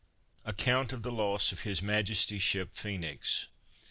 ACCOUNT OF THE LOSS OF HIS MAJESTY'S SHIP PHOENIX.